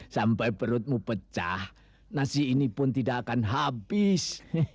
sampai perutmu pecah nasi ini pun tidak akan habis